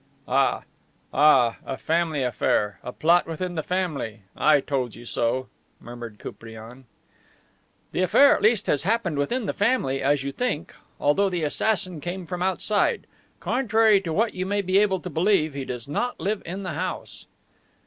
"Ah, ah, a family affair, a plot within the family. I told you so," murmured Koupriane. "The affair at least has happened within the family, as you think, although the assassin came from outside. Contrary to what you may be able to believe, he does not live in the house."